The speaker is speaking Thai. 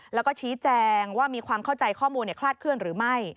แล้วก็ชี้แจงว่ามีความเข้าใจข้อมูลคลาดเคลื่อนหรือไม่